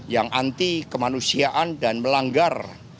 yang anti kemanusiaan dan melanggar